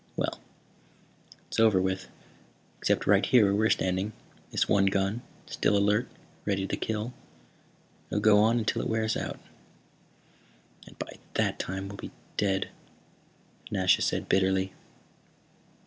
"Well, it's over with. Except right here, where we're standing. This one gun, still alert, ready to kill. It'll go on until it wears out." "And by that time we'll be dead," Nasha said bitterly.